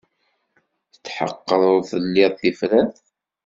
Tetḥeqqeḍ ur telli tifrat?